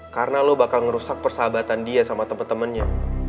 karena lo bakal ngerusak persahabatan dia sama temen temen lo